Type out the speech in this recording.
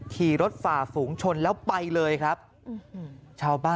ที่รถฝ่าฝูงชนแล้วไปเลยครับ